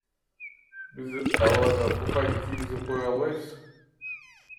Биз аларга фуфайке кийгизип кое албайбыз.